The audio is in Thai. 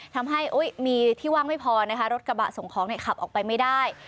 ทำให้มีที่ว่างไม่พอนะคะรถกระบะส่งของขับออกไปไม่ได้